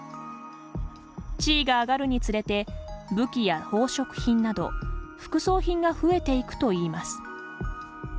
地位が上がるにつれて武器や宝飾品など副葬品が増えていくといいます。